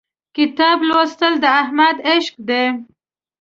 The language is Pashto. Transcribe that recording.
کتاب لوستل د احمد عشق دی.